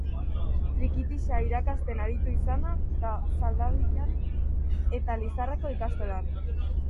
Trikitixa irakasten aritu izana da Zaldibian eta Lizarrako ikastolan.